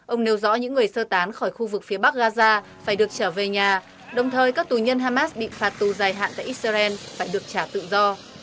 ông nêu rõ những người sơ tán khỏi khu vực phía bắc gaza phải được trở về nhà đồng thời các tù nhân hamas bị phạt tù dài hạn tại israel phải được trả tự do